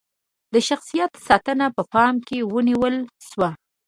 د شخصیت ساتنه په پام کې ونیول شوه.